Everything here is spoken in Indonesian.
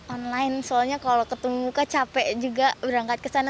online soalnya kalau ketemu muka capek juga berangkat ke sana